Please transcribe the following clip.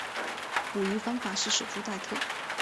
捕鱼方法是守株待兔。